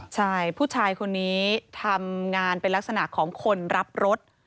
ใช่ผู้ชายคนนี้ทำงานเป็นลักษณะของคนรับรถ